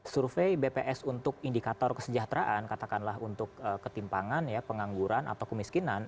survei bps untuk indikator kesejahteraan katakanlah untuk ketimpangan ya pengangguran atau kemiskinan